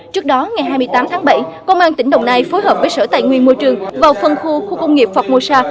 trước đó ngày hai mươi tám tháng bảy công an tỉnh đồng nai phối hợp với sở tài nguyên môi trường vào phân khu khu công nghiệp formosa